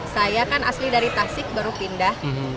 saya kan asli dari tasik baru pindah